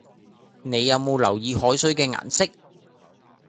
你有冇留意海水嘅顏色